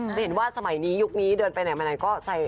จะเห็นว่าสมัยนี้ยุคนี้เดินไปไหนมาไหนก็ใส่